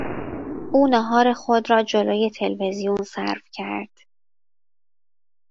او ناهار خود را جلو تلویزیون صرف کرد.